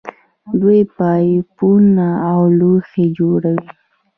دوی پایپونه او لوښي جوړوي.